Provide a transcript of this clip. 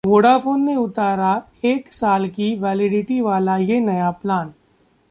Vodafone ने उतारा एक साल की वैलिडिटी वाला ये नया प्लान